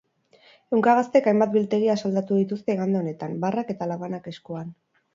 Ehunka gaztek hainbat biltegi asaldatu dituzte igande honetan, barrak eta labanak eskuan.